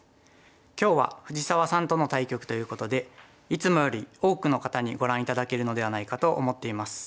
今日は藤沢さんとの対局ということでいつもより多くの方にご覧頂けるのではないかと思っています。